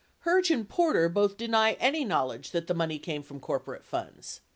484 Herge and Porter both deny any knowledge that the money came from corporate funds.